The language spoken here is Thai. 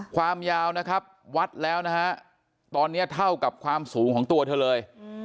ความยาวนะครับวัดแล้วนะฮะตอนนี้เท่ากับความสูงของตัวเธอเลย